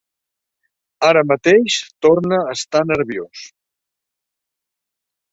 Ara mateix torna a estar nerviós.